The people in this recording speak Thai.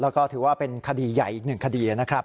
แล้วก็ถือว่าเป็นคดีใหญ่อีกหนึ่งคดีนะครับ